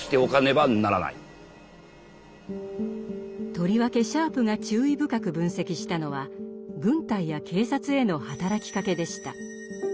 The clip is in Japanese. とりわけシャープが注意深く分析したのは軍隊や警察への働きかけでした。